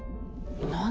何？